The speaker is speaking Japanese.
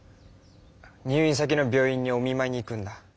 入院先の病院にお見まいに行くんだ。